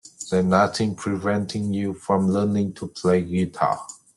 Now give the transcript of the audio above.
There's nothing preventing you from learning to play the guitar.